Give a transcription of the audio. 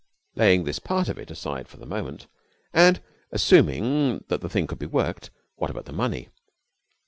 Laying this part of it aside for the moment, and assuming that the thing could be worked, what about the money?